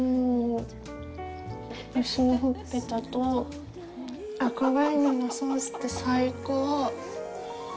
牛のほっぺたと赤ワインのソースって最高！